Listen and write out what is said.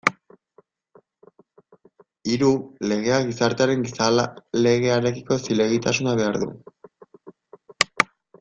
Hiru, legeak gizartearen gizalegearekiko zilegitasuna behar du.